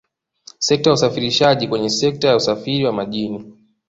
sekta ya usafirishaji kwenye sekta ya usafiri wa majini